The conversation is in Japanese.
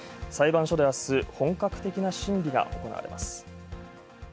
裁判所であす、本格的な審理が行われます。